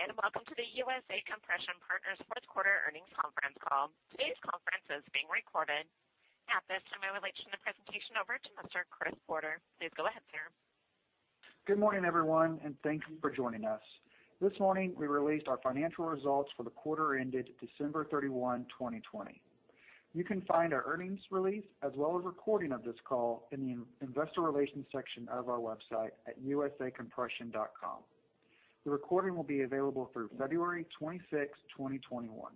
Welcome to the USA Compression Partners fourth quarter earnings conference call. Today's conference is being recorded. At this time, I would like to turn the presentation over to Mr. Chris Porter. Please go ahead, sir. Good morning, everyone, and thank you for joining us. This morning, we released our financial results for the quarter ended December 31, 2020. You can find our earnings release as well as a recording of this call in the Investor Relations section of our website at usacompression.com. The recording will be available through February 26, 2021.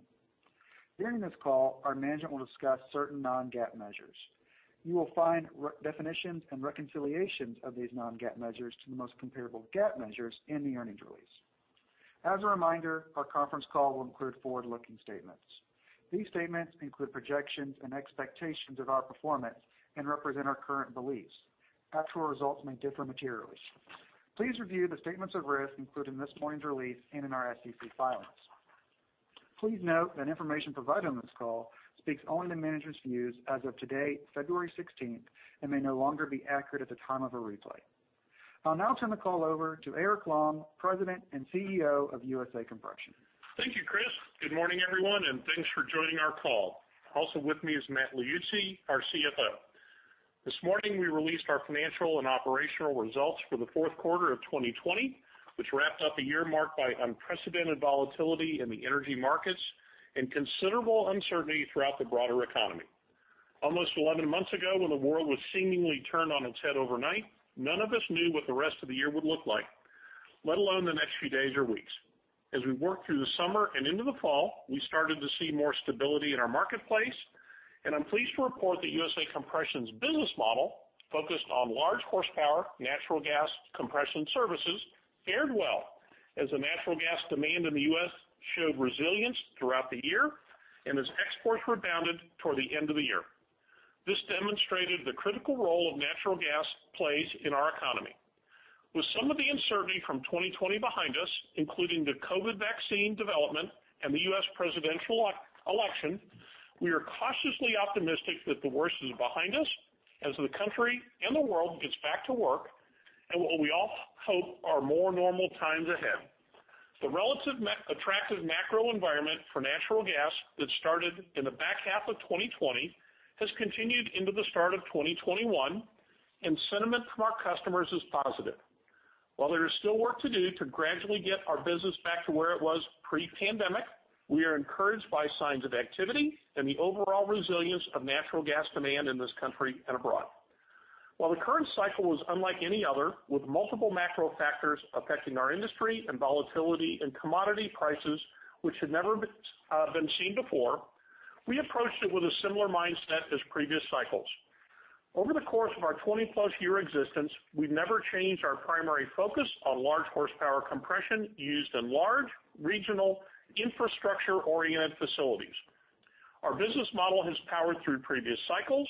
During this call, our management will discuss certain non-GAAP measures. You will find definitions and reconciliations of these non-GAAP measures to the most comparable GAAP measures in the earnings release. As a reminder, our conference call will include forward-looking statements. These statements include projections and expectations of our performance and represent our current beliefs. Actual results may differ materially. Please review the statements of risk included in this earnings release and in our SEC filings. Please note that information provided on this call speaks only to management's views as of today, February 16th, and may no longer be accurate at the time of a replay. I'll now turn the call over to Eric Long, President and CEO of USA Compression. Thank you, Chris. Good morning, everyone, thanks for joining our call. Also with me is Matt Liuzzi, our CFO. This morning, we released our financial and operational results for the fourth quarter of 2020, which wrapped up a year marked by unprecedented volatility in the energy markets and considerable uncertainty throughout the broader economy. Almost 11 months ago, when the world was seemingly turned on its head overnight, none of us knew what the rest of the year would look like, let alone the next few days or weeks. As we worked through the summer and into the fall, we started to see more stability in our marketplace, and I'm pleased to report that USA Compression's business model, focused on large horsepower, natural gas compression services, fared well as the natural gas demand in the U.S. showed resilience throughout the year and as exports rebounded toward the end of the year. This demonstrated the critical role natural gas plays in our economy. With some of the uncertainty from 2020 behind us, including the COVID vaccine development and the U.S. Presidential Election, we are cautiously optimistic that the worst is behind us as the country and the world gets back to work and what we all hope are more normal times ahead. The relative attractive macro environment for natural gas that started in the back half of 2020 has continued into the start of 2021, and sentiment from our customers is positive. While there is still work to do to gradually get our business back to where it was pre-pandemic, we are encouraged by signs of activity and the overall resilience of natural gas demand in this country and abroad. While the current cycle is unlike any other, with multiple macro factors affecting our industry and volatility in commodity prices which had never been seen before, we approached it with a similar mindset as previous cycles. Over the course of our 20+ year existence, we've never changed our primary focus on large horsepower compression used in large, regional, infrastructure-oriented facilities. Our business model has powered through previous cycles,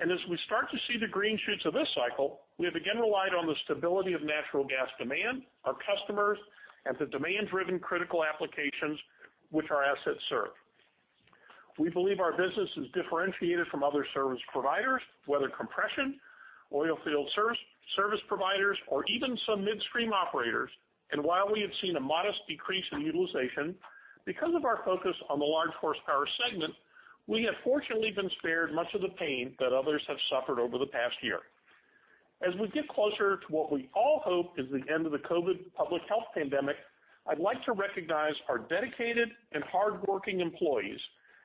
and as we start to see the green shoots of this cycle, we have again relied on the stability of natural gas demand, our customers, and the demand-driven critical applications which our assets serve. We believe our business is differentiated from other service providers, whether compression, oil field service providers, or even some midstream operators. While we have seen a modest decrease in utilization, because of our focus on the large horsepower segment, we have fortunately been spared much of the pain that others have suffered over the past year. As we get closer to what we all hope is the end of the COVID public health pandemic, I'd like to recognize our dedicated and hardworking employees,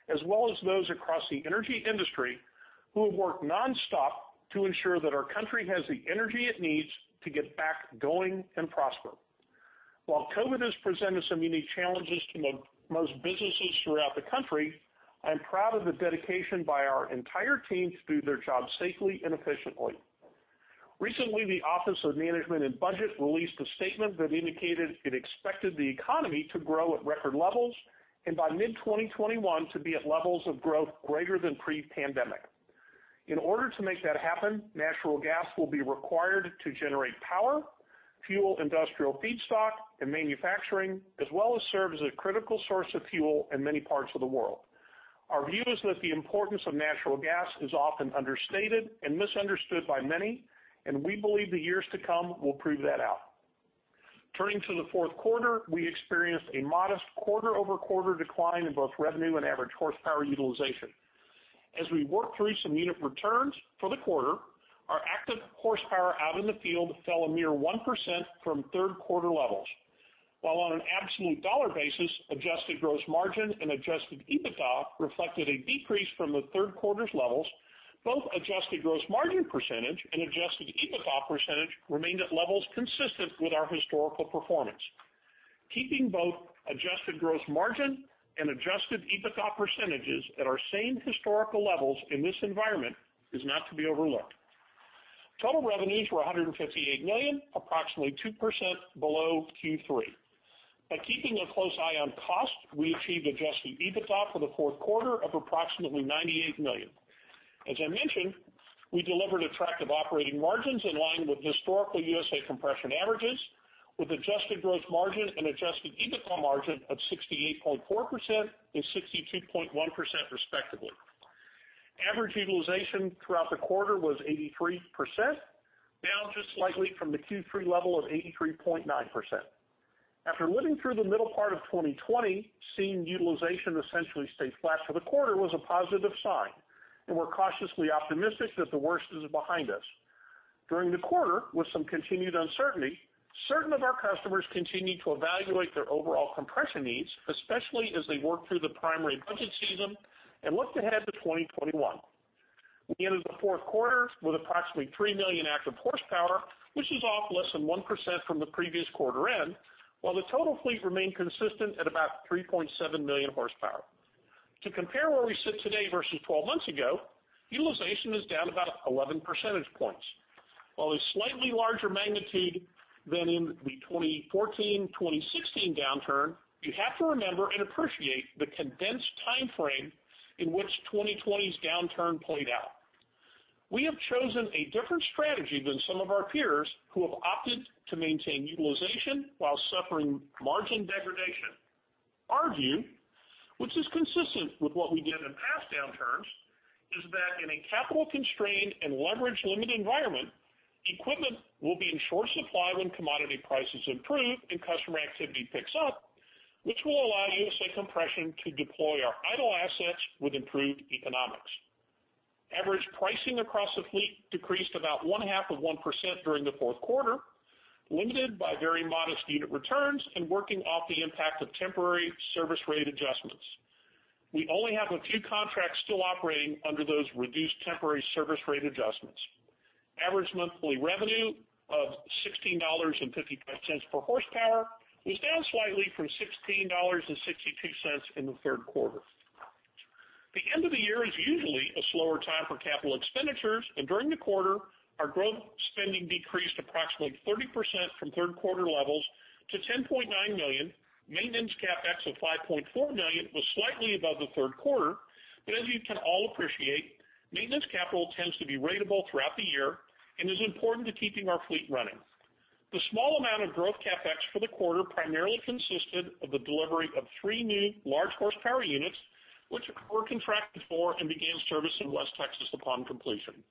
as well as those across the energy industry, who have worked nonstop to ensure that our country has the energy it needs to get back going and prosper. While COVID has presented some unique challenges to most businesses throughout the country, I'm proud of the dedication by our entire team to do their jobs safely and efficiently. Recently, the Office of Management and Budget released a statement that indicated it expected the economy to grow at record levels and by mid-2021 to be at levels of growth greater than pre-pandemic. In order to make that happen, natural gas will be required to generate power, fuel industrial feedstock, and manufacturing, as well as serve as a critical source of fuel in many parts of the world. Our view is that the importance of natural gas is often understated and misunderstood by many, and we believe the years to come will prove that out. Turning to the fourth quarter, we experienced a modest quarter-over-quarter decline in both revenue and average horsepower utilization. As we worked through some unit returns for the quarter, our active horsepower out in the field fell a mere 1% from third quarter levels. While on an absolute dollar basis, adjusted gross margin and adjusted EBITDA reflected a decrease from the third quarter's levels, both adjusted gross margin percentage and adjusted EBITDA percentage remained at levels consistent with our historical performance. Keeping both adjusted gross margin and adjusted EBITDA percentages at our same historical levels in this environment is not to be overlooked. Total revenues were $158 million, approximately 2% below Q3. By keeping a close eye on cost, we achieved adjusted EBITDA for the fourth quarter of approximately $98 million. As I mentioned, we delivered attractive operating margins in line with historical USA Compression averages with adjusted gross margin and adjusted EBITDA margin of 68.4% and 62.1% respectively. Average utilization throughout the quarter was 83%, down just slightly from the Q3 level of 83.9%. After living through the middle part of 2020, seeing utilization essentially stay flat for the quarter was a positive sign, and we're cautiously optimistic that the worst is behind us. During the quarter, with some continued uncertainty, certain of our customers continued to evaluate their overall compression needs, especially as they worked through the primary budget season and looked ahead to 2021. We ended the fourth quarter with approximately 3 million active horsepower, which is off less than 1% from the previous quarter end, while the total fleet remained consistent at about 3.7 million horsepower. To compare where we sit today versus 12 months ago, utilization is down about 11 percentage points. While a slightly larger magnitude than in the 2014-2016 downturn, you have to remember and appreciate the condensed timeframe in which 2020's downturn played out. We have chosen a different strategy than some of our peers, who have opted to maintain utilization while suffering margin degradation. Our view, which is consistent with what we did in past downturns, is that in a capital-constrained and leverage-limited environment, equipment will be in short supply when commodity prices improve and customer activity picks up, which will allow USA Compression to deploy our idle assets with improved economics. Average pricing across the fleet decreased about 1/2 of 1% during the fourth quarter, limited by very modest unit returns and working off the impact of temporary service rate adjustments. We only have a few contracts still operating under those reduced temporary service rate adjustments. Average monthly revenue of $16.55 per horsepower was down slightly from $16.62 in the third quarter. The end of the year is usually a slower time for capital expenditures, and during the quarter, our growth spending decreased approximately 30% from third quarter levels to $10.9 million. Maintenance CapEx of $5.4 million was slightly above the third quarter, but as you can all appreciate, maintenance capital tends to be ratable throughout the year and is important to keeping our fleet running. The small amount of growth CapEx for the quarter primarily consisted of the delivery of three new large horsepower units, which we're contracted for and began service in West Texas upon completion.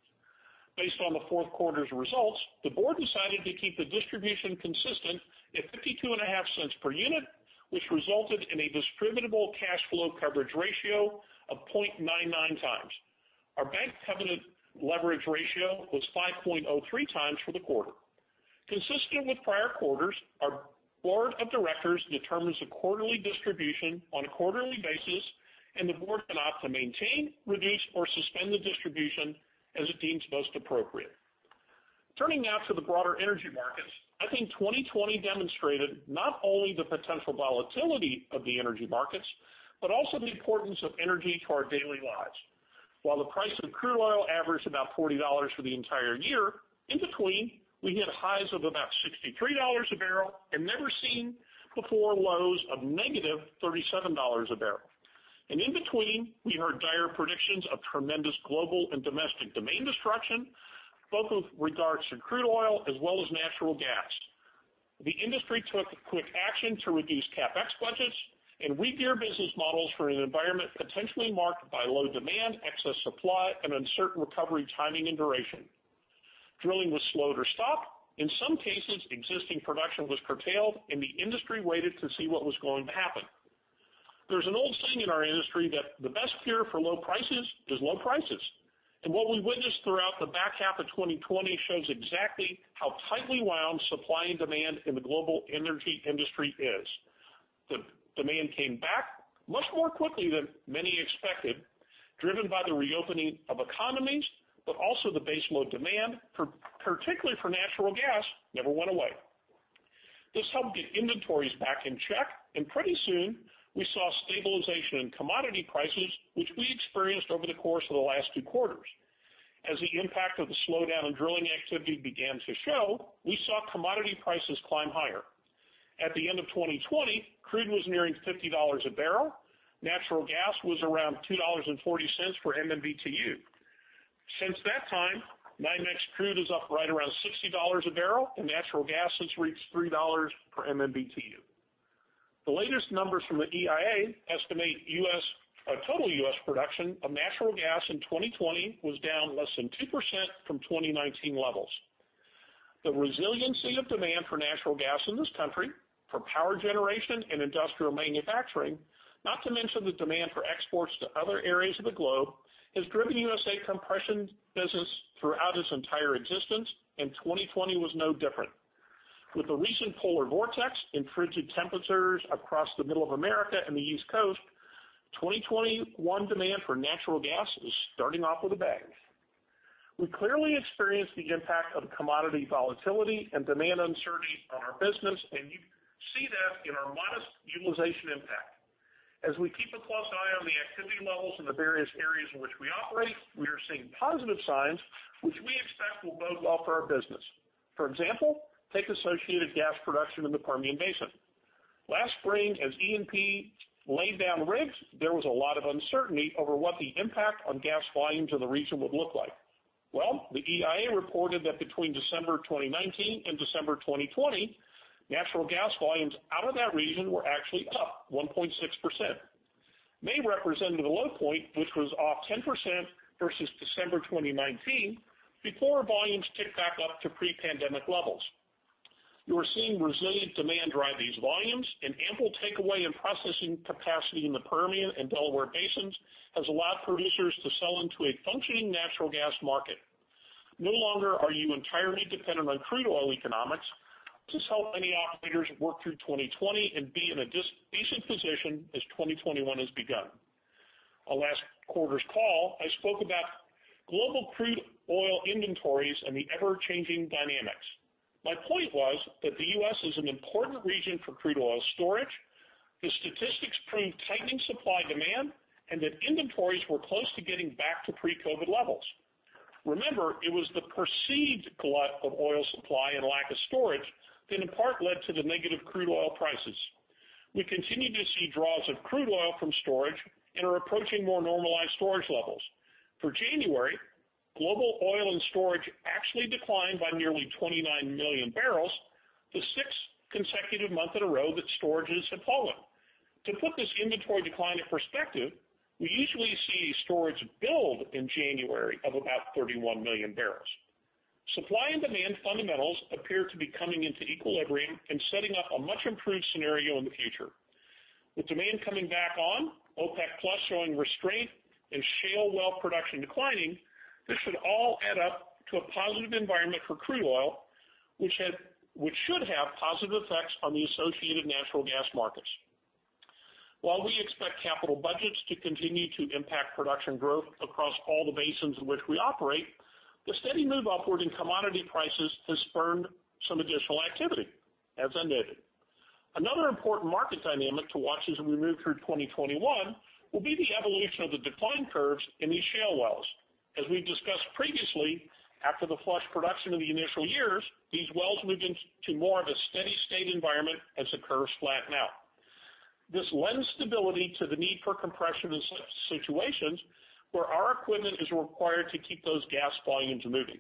Based on the fourth quarter's results, the Board decided to keep the distribution consistent at $0.525 per unit, which resulted in a distributable cash flow coverage ratio of 0.99x. Our bank covenant leverage ratio was 5.03x for the quarter. Consistent with prior quarters, our Board of Directors determines the quarterly distribution on a quarterly basis, and the Board can opt to maintain, reduce, or suspend the distribution as it deems most appropriate. Turning now to the broader energy markets, I think 2020 demonstrated not only the potential volatility of the energy markets, but also the importance of energy to our daily lives. While the price of crude oil averaged about $40 for the entire year, in between, we hit highs of about $63 a barrel and never-seen-before lows of -$37 a barrel. In between, we heard dire predictions of tremendous global and domestic demand destruction, both with regards to crude oil as well as natural gas. The industry took quick action to reduce CapEx budgets and regear business models for an environment potentially marked by low demand, excess supply, and uncertain recovery timing and duration. Drilling was slowed or stopped. In some cases, existing production was curtailed, and the industry waited to see what was going to happen. There's an old saying in our industry that the best cure for low prices is low prices, and what we witnessed throughout the back half of 2020 shows exactly how tightly wound supply and demand in the global energy industry is. The demand came back much more quickly than many expected, driven by the reopening of economies, but also the base load demand, particularly for natural gas, never went away. This helped get inventories back in check, and pretty soon, we saw stabilization in commodity prices, which we experienced over the course of the last two quarters. As the impact of the slowdown in drilling activity began to show, we saw commodity prices climb higher. At the end of 2020, crude was nearing $50 a barrel. Natural gas was around $2.40 per MMBTU. Since that time, NYMEX crude is up right around $60 a barrel, and natural gas has reached $3 per MMBTU. The latest numbers from the EIA estimate total U.S. production of natural gas in 2020 was down less than 2% from 2019 levels. The resiliency of demand for natural gas in this country, for power generation and industrial manufacturing, not to mention the demand for exports to other areas of the globe, has driven USA Compression business throughout its entire existence, and 2020 was no different. With the recent polar vortex and frigid temperatures across the middle of America and the East Coast, 2021 demand for natural gas is starting off with a bang. We clearly experienced the impact of commodity volatility and demand uncertainty on our business, and you see that in our modest utilization impact. As we keep a close eye on the activity levels in the various areas in which we operate, we are seeing positive signs, which we expect will bode well for our business. For example, take associated gas production in the Permian Basin. Last spring, as E&P laid down rigs, there was a lot of uncertainty over what the impact on gas volumes in the region would look like. Well, the EIA reported that between December 2019 and December 2020, natural gas volumes out of that region were actually up 1.6%. May represented a low point, which was off 10% versus December 2019, before volumes ticked back up to pre-pandemic levels. You are seeing resilient demand drive these volumes, and ample takeaway in processing capacity in the Permian and Delaware basins has allowed producers to sell into a functioning natural gas market. No longer are you entirely dependent on crude oil economics to help many operators work through 2020 and be in a decent position as 2021 has begun. On last quarter's call, I spoke about global crude oil inventories and the ever-changing dynamics. My point was that the U.S. is an important region for crude oil storage, the statistics prove tightening supply demand, and that inventories were close to getting back to pre-COVID levels. Remember, it was the perceived glut of oil supply and lack of storage that in part led to the negative crude oil prices. We continue to see draws of crude oil from storage and are approaching more normalized storage levels. For January, global oil in storage actually declined by nearly 29 million barrels, the sixth consecutive month in a row that storages have fallen. To put this inventory decline in perspective, we usually see storage build in January of about 31 million barrels. Supply and demand fundamentals appear to be coming into equilibrium and setting up a much-improved scenario in the future. With demand coming back on, OPEC+ showing restraint, and shale well production declining, this should all add up to a positive environment for crude oil, which should have positive effects on the associated natural gas markets. While we expect capital budgets to continue to impact production growth across all the basins in which we operate, the steady move upward in commodity prices has spurred some additional activity, as I noted. Another important market dynamic to watch as we move through 2021 will be the evolution of the decline curves in these shale wells. As we've discussed previously, after the flush production of the initial years, these wells move into more of a steady state environment as the curves flatten out. This lends stability to the need for compression in situations where our equipment is required to keep those gas volumes moving.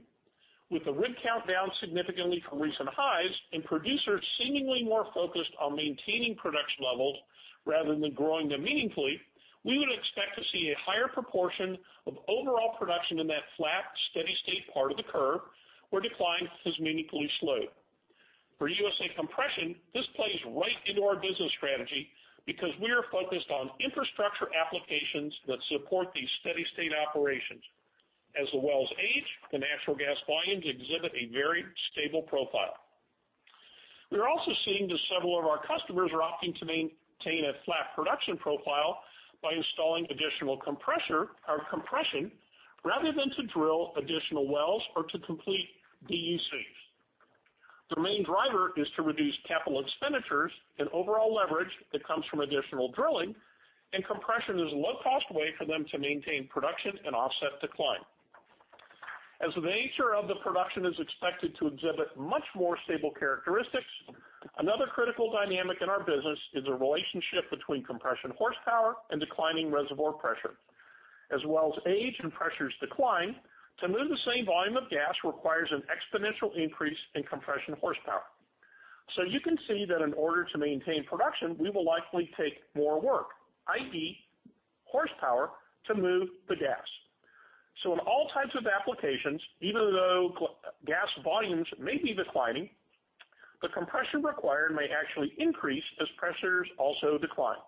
With the rig count down significantly from recent highs and producers seemingly more focused on maintaining production levels rather than growing them meaningfully, we would expect to see a higher proportion of overall production in that flat, steady state part of the curve where decline is meaningfully slowed. For USA Compression, this plays right into our business strategy because we are focused on infrastructure applications that support these steady state operations. As the wells age, the natural gas volumes exhibit a very stable profile. We are also seeing that several of our customers are opting to maintain a flat production profile by installing additional compressor or compression rather than to drill additional wells or to complete DUCs. The main driver is to reduce capital expenditures and overall leverage that comes from additional drilling, and compression is a low-cost way for them to maintain production and offset decline. The nature of the production is expected to exhibit much more stable characteristics, another critical dynamic in our business is the relationship between compression horsepower and declining reservoir pressure. Wells age and pressures decline, to move the same volume of gas requires an exponential increase in compression horsepower. You can see that in order to maintain production, we will likely take more work, i.e. horsepower, to move the gas. In all types of applications, even though gas volumes may be declining, the compression required may actually increase as pressures also decline.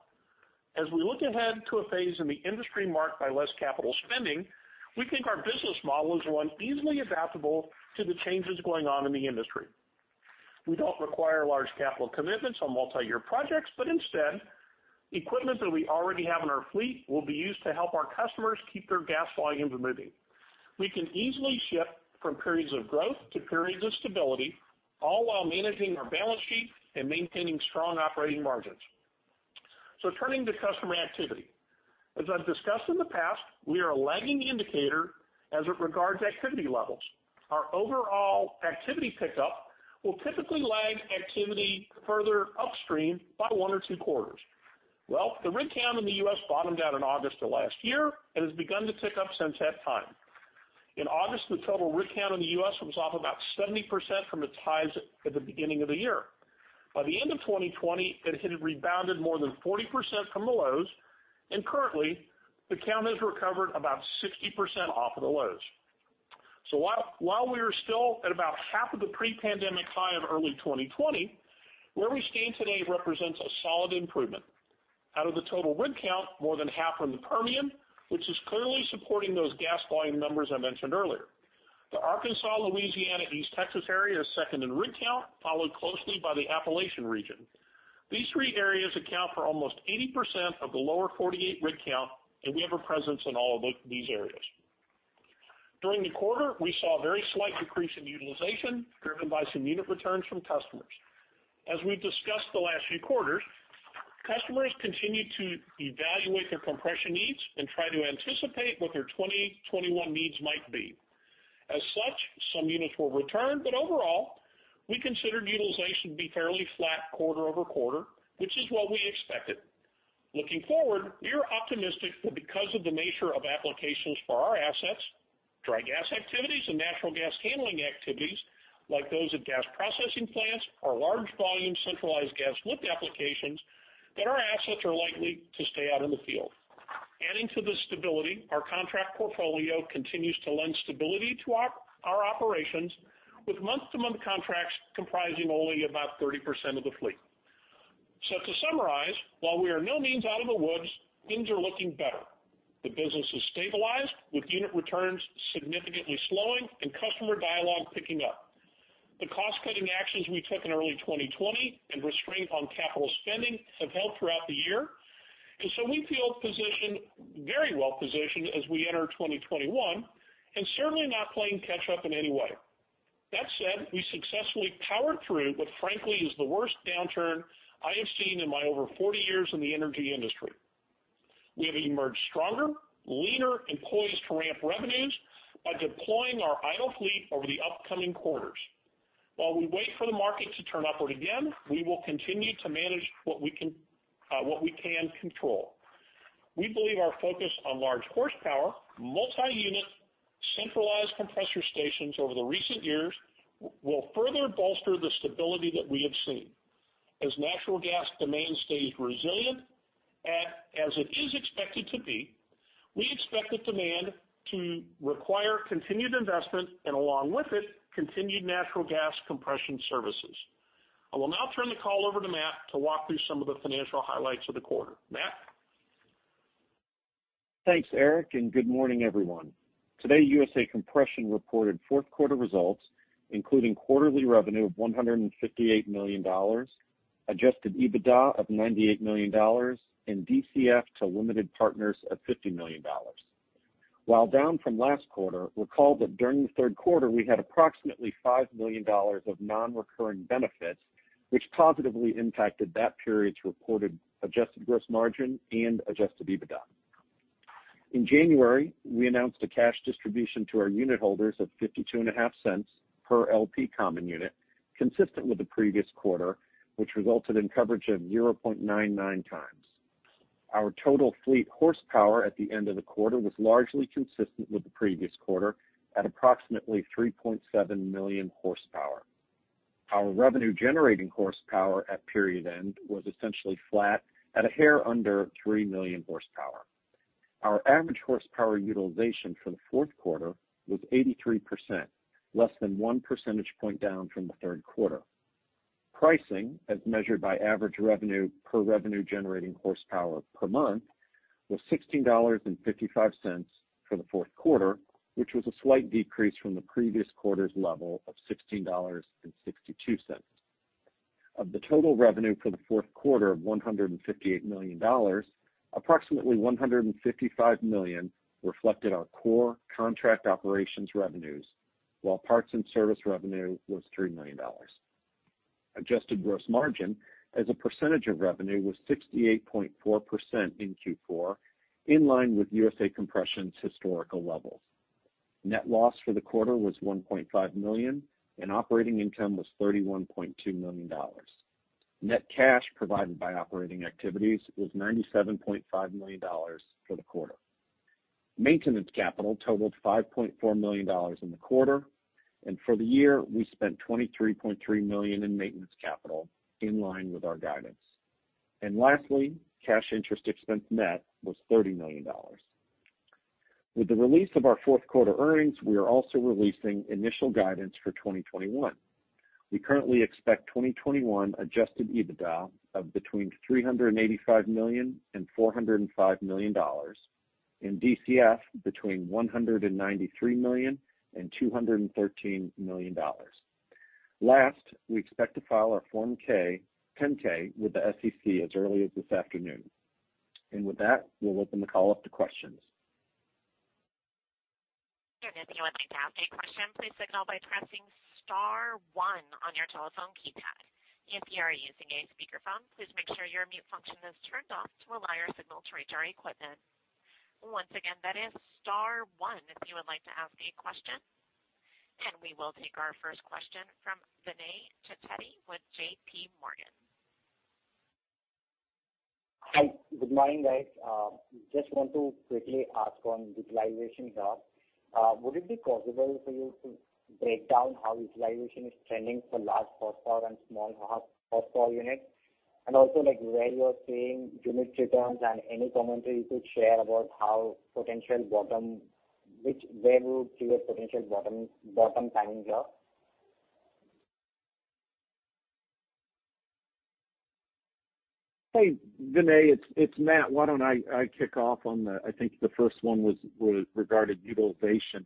As we look ahead to a phase in the industry marked by less capital spending, we think our business model is one easily adaptable to the changes going on in the industry. We don't require large capital commitments on multi-year projects, but instead, equipment that we already have in our fleet will be used to help our customers keep their gas volumes moving. We can easily shift from periods of growth to periods of stability, all while managing our balance sheet and maintaining strong operating margins. Turning to customer activity. As I've discussed in the past, we are a lagging indicator as it regards activity levels. Our overall activity pickup will typically lag activity further upstream by one or two quarters. The rig count in the U.S. bottomed out in August of last year and has begun to tick up since that time. In August, the total rig count in the U.S. was off about 70% from its highs at the beginning of the year. By the end of 2020, it had rebounded more than 40% from the lows. Currently, the count has recovered about 60% off of the lows. While we are still at about half of the pre-pandemic high of early 2020, where we stand today represents a solid improvement. Out of the total rig count, more than half are in the Permian, which is clearly supporting those gas volume numbers I mentioned earlier. The Arkansas, Louisiana, East Texas area is second in rig count, followed closely by the Appalachian region. These three areas account for almost 80% of the lower 48 rig count. We have a presence in all of these areas. During the quarter, we saw a very slight decrease in utilization, driven by some unit returns from customers. As we've discussed the last few quarters, customers continue to evaluate their compression needs and try to anticipate what their 2021 needs might be. As such, some units were returned, but overall, we considered utilization to be fairly flat quarter-over-quarter, which is what we expected. Looking forward, we are optimistic that because of the nature of applications for our assets, dry gas activities and natural gas handling activities like those at gas processing plants or large volume centralized gas lift applications, that our assets are likely to stay out in the field. Adding to the stability, our contract portfolio continues to lend stability to our operations with month-to-month contracts comprising only about 30% of the fleet. To summarize, while we are by no means out of the woods, things are looking better. The business has stabilized with unit returns significantly slowing and customer dialogue picking up. The cost-cutting actions we took in early 2020 and restraint on capital spending have helped throughout the year. We feel very well-positioned as we enter 2021 and certainly not playing catch up in any way. That said, we successfully powered through what frankly, is the worst downturn I have seen in my over 40 years in the energy industry. We have emerged stronger, leaner, and poised to ramp revenues by deploying our idle fleet over the upcoming quarters. While we wait for the market to turn upward again, we will continue to manage what we can control. We believe our focus on large horsepower, multi-unit, centralized compressor stations over the recent years will further bolster the stability that we have seen. As natural gas demand stays resilient, as it is expected to be, we expect the demand to require continued investment, and along with it, continued natural gas compression services. I will now turn the call over to Matt to walk through some of the financial highlights of the quarter. Matt? Thanks, Eric, and good morning, everyone. Today, USA Compression reported fourth quarter results, including quarterly revenue of $158 million, adjusted EBITDA of $98 million, and DCF to limited partners of $50 million. While down from last quarter, recall that during the third quarter, we had approximately $5 million of non-recurring benefits, which positively impacted that period's reported adjusted gross margin and adjusted EBITDA. In January, we announced a cash distribution to our unit holders of $0.525 per LP common unit, consistent with the previous quarter, which resulted in coverage of 0.99x. Our total fleet horsepower at the end of the quarter was largely consistent with the previous quarter at approximately 3.7 million horsepower. Our Revenue-generating horsepower at period end was essentially flat at a hair under 3 million horsepower. Our average horsepower utilization for the fourth quarter was 83%, less than 1 percentage point down from the third quarter. Pricing, as measured by average revenue per revenue-generating horsepower per month, was $16.55 for the fourth quarter, which was a slight decrease from the previous quarter's level of $16.62. Of the total revenue for the fourth quarter of $158 million, approximately $155 million reflected our core contract operations revenues, while parts and service revenue was $3 million. Adjusted gross margin as a percentage of revenue was 68.4% in Q4, in line with USA Compression's historical levels. Net loss for the quarter was $1.5 million, and operating income was $31.2 million. Net cash provided by operating activities was $97.5 million for the quarter. Maintenance capital totaled $5.4 million in the quarter, and for the year, we spent $23.3 million in maintenance capital in line with our guidance. Lastly, cash interest expense net was $30 million. With the release of our fourth quarter earnings, we are also releasing initial guidance for 2021. We currently expect 2021 adjusted EBITDA of between $385 million and $405 million, and DCF between $193 million and $213 million. Last, we expect to file our Form 10-K with the SEC as early as this afternoon. With that, we'll open the call up to questions. If you would like to ask a question, please signal by pressing star one on your telephone keypad. If you are using a speakerphone, please make sure your mute function is turned off to allow your signal to reach our equipment. Once again, that is star one if you would like to ask a question. We will take our first question from Vinay Chitteti with JPMorgan. Hi. Good morning, guys. Just want to quickly ask on utilization here. Would it be possible for you to break down how utilization is trending for large horsepower and small horsepower units? Also where you are seeing unit returns and any commentary you could share about where we would see a potential bottom timing here? Hey, Vinay, it's Matt. Why don't I kick off. I think the first one was regarding utilization.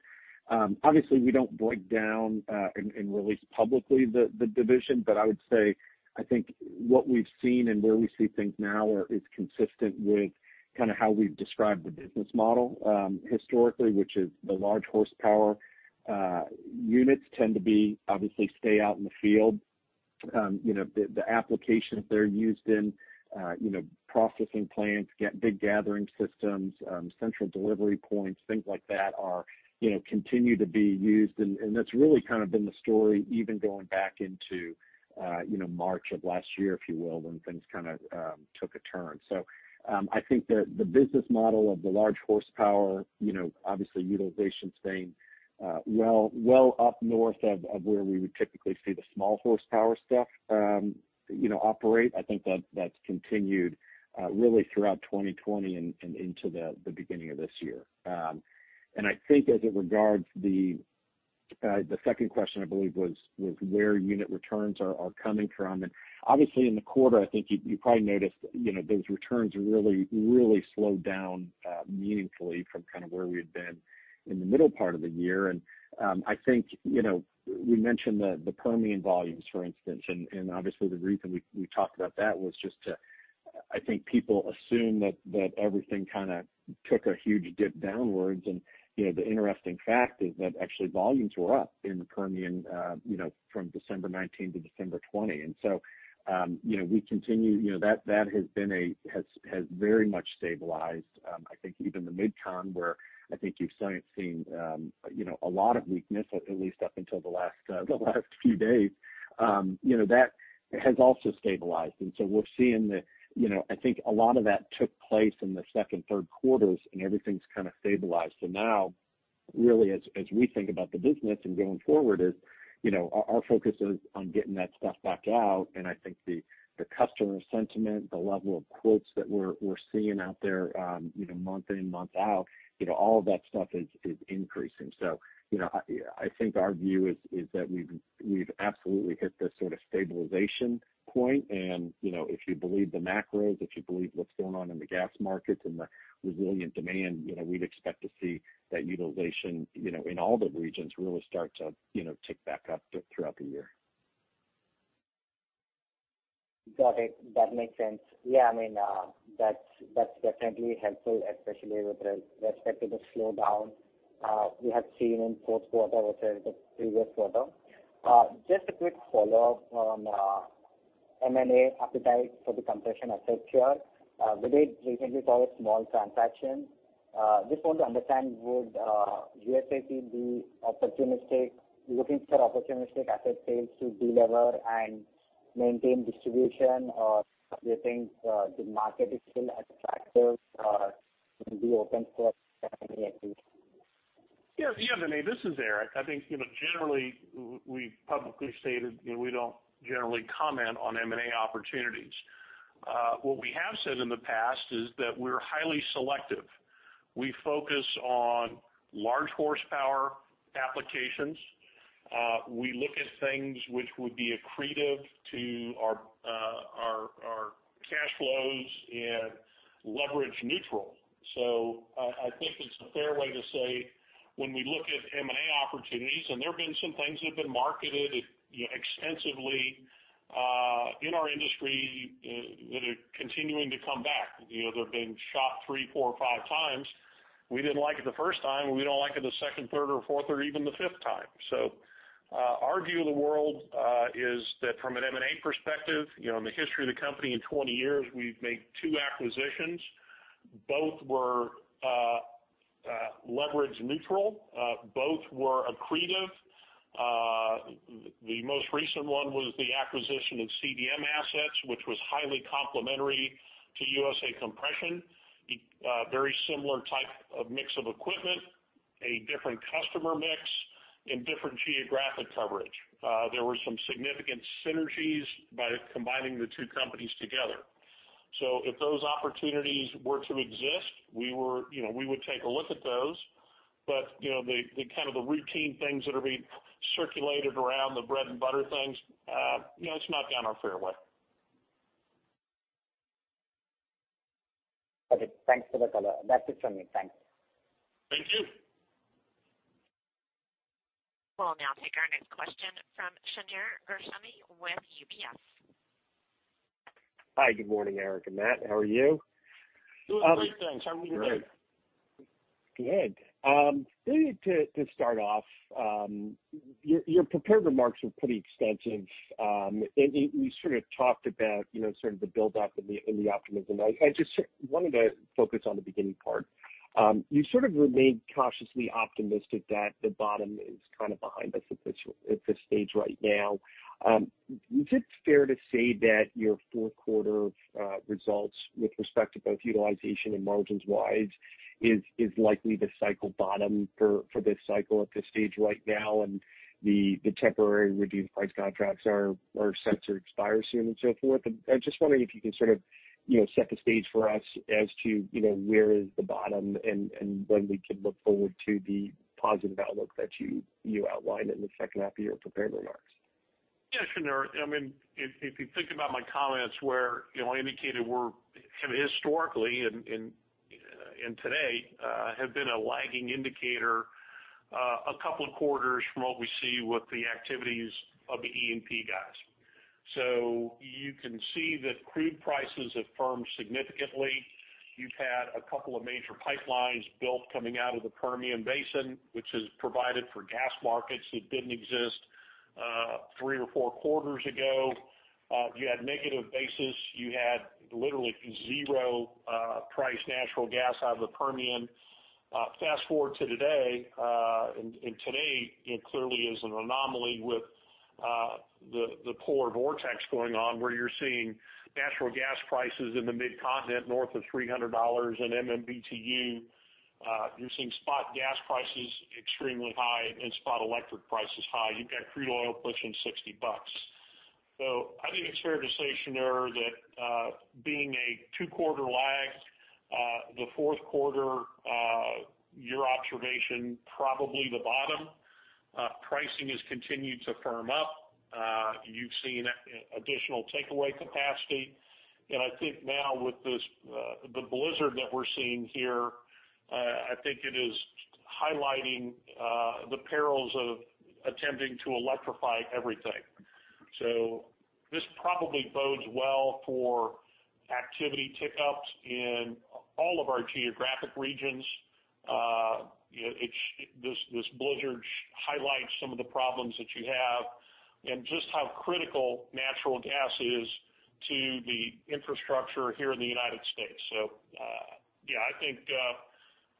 Obviously, we don't break down and release publicly the division, but I would say, I think what we've seen and where we see things now is consistent with how we've described the business model historically, which is the large horsepower units tend to obviously stay out in the field. The applications they're used in, processing plants, big gathering systems, central delivery points, things like that continue to be used. That's really kind of been the story even going back into March of last year, if you will, when things kind of took a turn. I think that the business model of the large horsepower, obviously utilization staying well up north of where we would typically see the small horsepower stuff operate, I think that's continued really throughout 2020 and into the beginning of this year. I think as it regards the second question, I believe, was where unit returns are coming from. Obviously in the quarter, I think you probably noticed those returns really slowed down meaningfully from kind of where we had been in the middle part of the year. I think we mentioned the Permian volumes, for instance, and obviously the reason we talked about that was just to I think people assume that everything kind of took a huge dip downwards. The interesting fact is that actually volumes were up in the Permian from December 2019 to December 2020. That has very much stabilized. I think even the Mid-Con, where I think you've seen a lot of weakness, at least up until the last few days, that has also stabilized. We're seeing I think a lot of that took place in the second, third quarters. Everything's kind of stabilized. Now, really as we think about the business and going forward is, our focus is on getting that stuff back out. I think the customer sentiment, the level of quotes that we're seeing out there month in, month out, all of that stuff is increasing. I think our view is that we've absolutely hit this sort of stabilization point. If you believe the macros, if you believe what's going on in the gas markets and the resilient demand, we'd expect to see that utilization, in all the regions really start to tick back up throughout the year. Got it. That makes sense. Yeah, that's definitely helpful, especially with respect to the slowdown we have seen in fourth quarter versus the previous quarter. Just a quick follow-up on M&A appetite for the compression assets here. We did recently saw a small transaction. I just want to understand, would USA be looking for opportunistic asset sales to delever and maintain distribution? Do you think the market is still attractive or would be open for M&A activities? Yeah. Vinay, this is Eric. I think, generally, we've publicly stated we don't generally comment on M&A opportunities. What we have said in the past is that we're highly selective. We focus on large horsepower applications. We look at things which would be accretive to our cash flows and leverage neutral. I think it's a fair way to say when we look at M&A opportunities, and there have been some things that have been marketed extensively in our industry that are continuing to come back. They've been shot 3x, 4x, 5x. We didn't like it the first time, and we don't like it the second, third or fourth, or even the fifth time. Our view of the world is that from an M&A perspective, in the history of the company, in 20 years, we've made two acquisitions. Both were leverage neutral. Both were accretive. The most recent one was the acquisition of CDM assets, which was highly complementary to USA Compression. Very similar type of mix of equipment, a different customer mix, and different geographic coverage. There were some significant synergies by combining the two companies together. If those opportunities were to exist, we would take a look at those. The kind of the routine things that are being circulated around, the bread-and-butter things, it's not down our fairway. Okay, thanks for the color. That's it from me. Thanks. Thank you. We'll now take our next question from Shneur Gershuni with UBS. Hi, good morning, Eric and Matt. How are you? Doing great, thanks. How are you today? Good. To start off, your prepared remarks were pretty extensive. You sort of talked about sort of the build up and the optimism. I just wanted to focus on the beginning part. You sort of remained cautiously optimistic that the bottom is kind of behind us at this stage right now. Is it fair to say that your fourth quarter results with respect to both utilization and margins wide is likely the cycle bottom for this cycle at this stage right now, and the temporary reduced price contracts are set to expire soon and so forth? I'm just wondering if you can sort of set the stage for us as to where is the bottom and when we can look forward to the positive outlook that you outlined in the second half of your prepared remarks. Yeah, Shneur, if you think about my comments where I indicated we're kind of historically and today have been a lagging indicator a couple of quarters from what we see with the activities of the E&P guys. You can see that crude prices have firmed significantly. You've had a couple of major pipelines built coming out of the Permian Basin, which has provided for gas markets that didn't exist three or four quarters ago. You had negative basis. You had literally zero price natural gas out of the Permian. Today clearly is an anomaly with the polar vortex going on, where you're seeing natural gas prices in the Mid-Continent north of $300 in MMBTU. You're seeing spot gas prices extremely high and spot electric prices high. You've got crude oil pushing $60. I think it's fair to say, Shneur, that being a two-quarter lag, the fourth quarter, your observation, probably the bottom. Pricing has continued to firm up. You've seen additional takeaway capacity. I think now with the blizzard that we're seeing here, I think it is highlighting the perils of attempting to electrify everything. This probably bodes well for activity tick-ups in all of our geographic regions. This blizzard highlights some of the problems that you have and just how critical natural gas is to the infrastructure here in the United States. Yeah, I think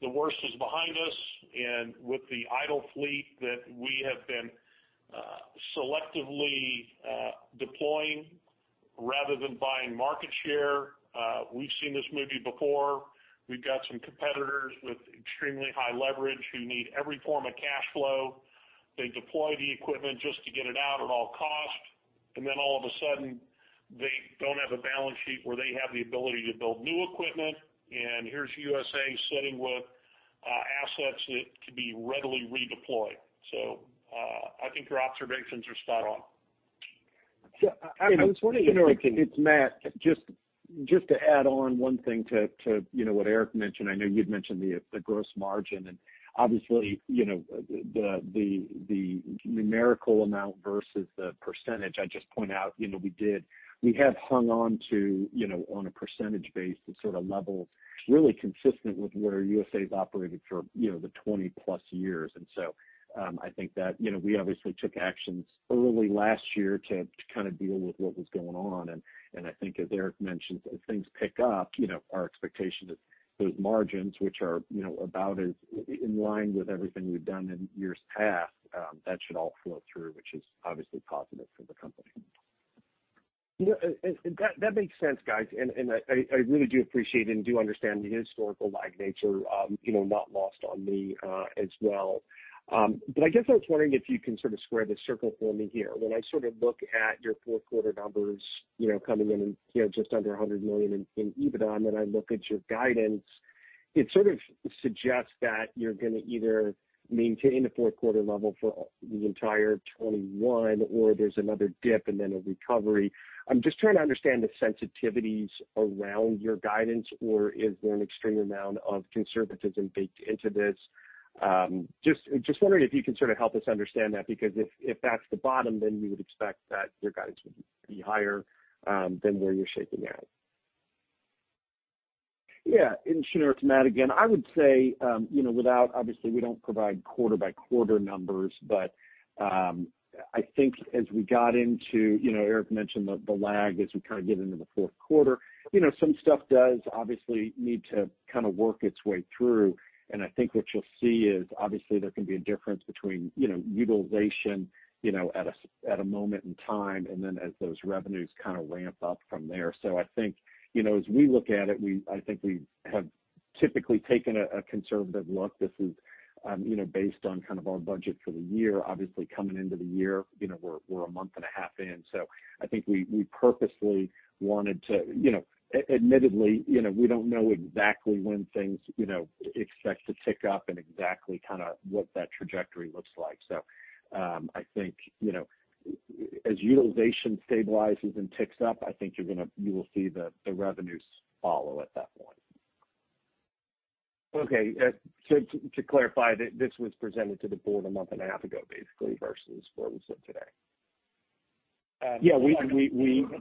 the worst is behind us. With the idle fleet that we have been selectively deploying rather than buying market share, we've seen this movie before. We've got some competitors with extremely high leverage who need every form of cash flow. They deploy the equipment just to get it out at all costs, and then all of a sudden, they don't have a balance sheet where they have the ability to build new equipment. Here's USA sitting with assets that could be readily redeployed. I think your observations are spot on. So I was wondering if you can- It's Matt. Just to add on one thing to what Eric mentioned. I know you'd mentioned the gross margin, and obviously, the numerical amount versus the percentage, I'd just point out, we have hung on to, on a percentage basis, sort of levels really consistent with where USA's operated for the 20+ years. I think that we obviously took actions early last year to kind of deal with what was going on. I think as Eric mentioned, as things pick up, our expectation is those margins, which are about as in line with everything we've done in years past, that should all flow through, which is obviously positive for the company. That makes sense, guys. I really do appreciate and do understand the historical lag nature, not lost on me as well. I guess I was wondering if you can sort of square this circle for me here. When I look at your fourth quarter numbers coming in just under $100 million in EBITDA, and then I look at your guidance, it sort of suggests that you're going to either maintain the fourth quarter level for the entire 2021, or there's another dip and then a recovery. I'm just trying to understand the sensitivities around your guidance, or is there an extreme amount of conservatism baked into this? Just wondering if you can sort of help us understand that, because if that's the bottom, then we would expect that your guidance would be higher than where you're shaping out? Yeah. Shneur, it's Matt again. I would say, obviously we don't provide quarter-by-quarter numbers, but I think as we got into Eric mentioned the lag as we kind of get into the fourth quarter. Some stuff does obviously need to kind of work its way through, and I think what you'll see is obviously there can be a difference between utilization at a moment in time and then as those revenues kind of ramp up from there. I think as we look at it, I think we have typically taken a conservative look. This is based on kind of our budget for the year. Obviously, coming into the year, we're a month and a half in. I think we purposely wanted to. Admittedly, we don't know exactly when things expect to tick up and exactly kind of what that trajectory looks like. I think as utilization stabilizes and ticks up, I think you will see the revenues follow at that point. Okay. To clarify, this was presented to the Board a month and a half ago, basically, versus where we sit today? Yeah. We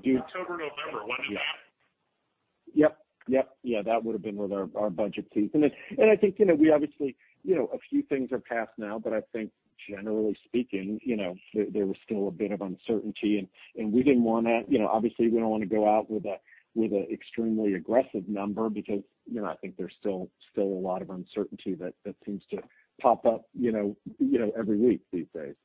do- October, November, wasn't it, Matt? Yep. Yeah, that would've been where our budget sees. I think, obviously a few things have passed now, but I think generally speaking, there was still a bit of uncertainty, obviously we don't want to go out with an extremely aggressive number because I think there's still a lot of uncertainty that seems to pop up every week these days.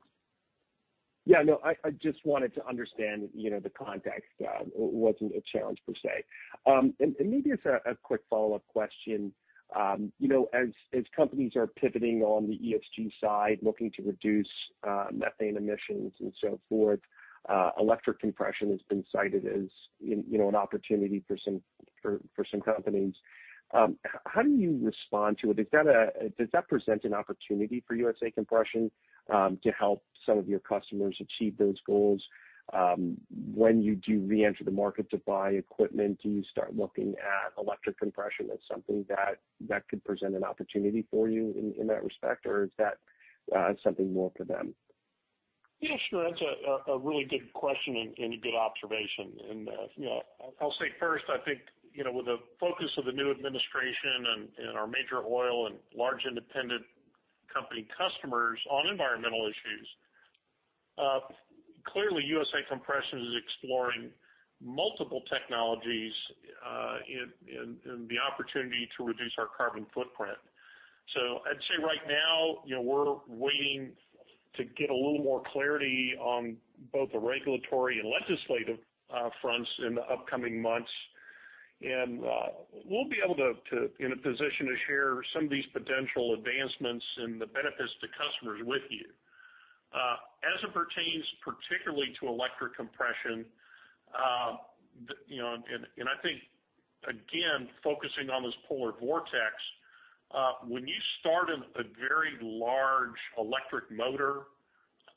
Yeah, no. I just wanted to understand the context. It wasn't a challenge per se. Maybe as a quick follow-up question. As companies are pivoting on the ESG side, looking to reduce methane emissions and so forth, electric compression has been cited as an opportunity for some companies. How do you respond to it? Does that present an opportunity for USA Compression to help some of your customers achieve those goals? When you do reenter the market to buy equipment, do you start looking at electric compression as something that could present an opportunity for you in that respect, or is that something more for them? Yeah, sure. That's a really good question and a good observation. I'll say first, I think, with the focus of the new administration and our major oil and large independent company customers on environmental issues, clearly USA Compression is exploring multiple technologies and the opportunity to reduce our carbon footprint. I'd say right now, we're waiting to get a little more clarity on both the regulatory and legislative fronts in the upcoming months. We'll be able to, in a position to share some of these potential advancements and the benefits to customers with you. As it pertains particularly to Electric compression, and I think, again, focusing on this Polar vortex, when you start a very large electric motor,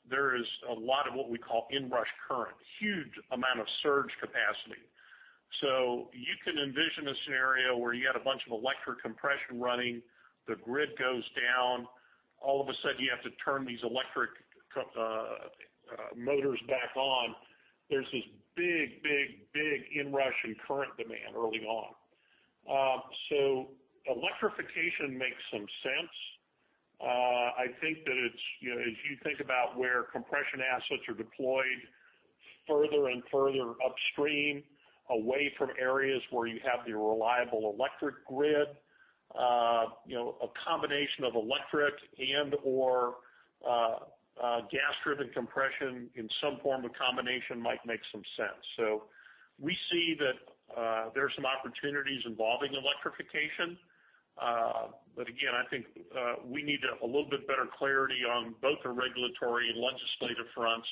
there is a lot of what we call Inrush current, huge amount of surge capacity. You can envision a scenario where you had a bunch of electric compression running, the grid goes down, all of a sudden you have to turn these electric motors back on. There's this big Inrush current in demand early on. Electrification makes some sense. I think that if you think about where compression assets are deployed further and further upstream, away from areas where you have the reliable electric grid, a combination of electric and/or gas-driven compression in some form of combination might make some sense. We see that there's some opportunities involving electrification. Again, I think, we need a little bit better clarity on both the regulatory and legislative fronts,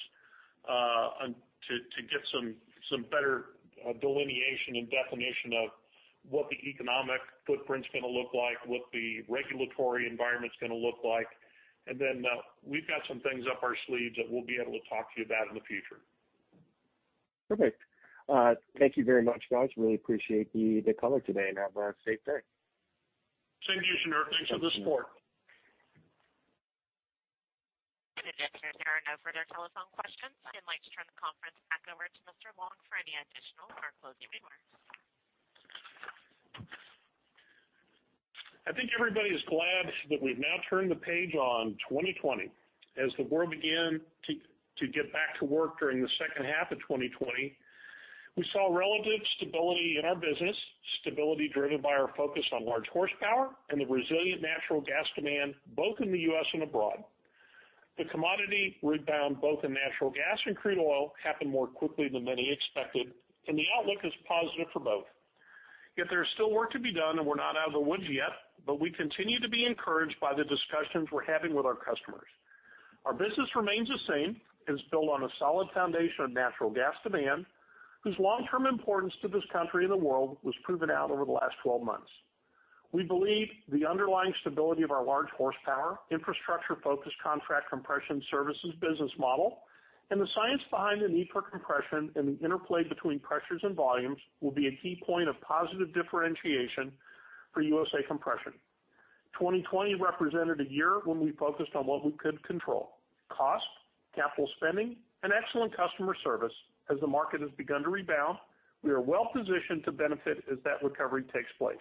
to get some better delineation and definition of what the economic footprint's going to look like, what the regulatory environment's going to look like. We've got some things up our sleeves that we'll be able to talk to you about in the future. Perfect. Thank you very much, guys. Really appreciate you the color today and have a safe day. Same to you, Shneur. Thanks for the support. Again, there are no further telephone questions. I'd like to turn the conference back over to Mr. Long for any additional or closing remarks. I think everybody is glad that we've now turned the page on 2020. As the world began to get back to work during the second half of 2020, we saw relative stability in our business, stability driven by our focus on large horsepower and the resilient natural gas demand, both in the U.S. and abroad. The commodity rebound, both in natural gas and crude oil, happened more quickly than many expected, the outlook is positive for both. There is still work to be done, and we're not out of the woods yet, but we continue to be encouraged by the discussions we're having with our customers. Our business remains the same and is built on a solid foundation of natural gas demand, whose long-term importance to this country and the world was proven out over the last 12 months. We believe the underlying stability of our large horsepower, infrastructure-focused contract compression services business model, and the science behind the need for compression and the interplay between pressures and volumes will be a key point of positive differentiation for USA Compression. 2020 represented a year when we focused on what we could control: cost, capital spending, and excellent customer service. The market has begun to rebound, we are well positioned to benefit as that recovery takes place.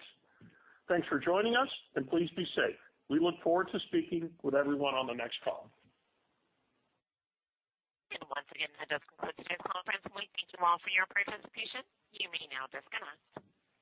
Thanks for joining us, and please be safe. We look forward to speaking with everyone on the next call. Once again, that does conclude today's conference, and we thank you all for your participation. You may now disconnect.